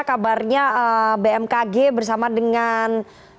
kabarnya bmkg bersama dengan